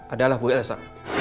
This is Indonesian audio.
adalah bu ilsa